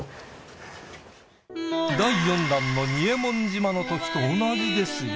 第４弾の仁右衛門島のときと同じですよ。